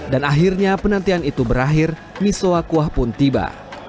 dan akhirnya penantian itu berakhir miso kuah pun tiba